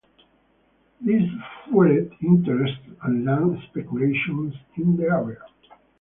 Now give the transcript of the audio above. This fueled interest and land speculation in the area.